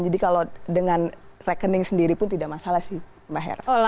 jadi kalau dengan rekening sendiri pun tidak masalah sih mbak hera